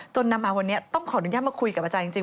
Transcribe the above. นำมาวันนี้ต้องขออนุญาตมาคุยกับอาจารย์จริง